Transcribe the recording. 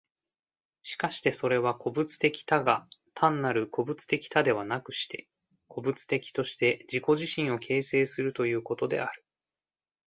しかしてそれは個物的多が、単なる個物的多ではなくして、個物的として自己自身を形成するということである。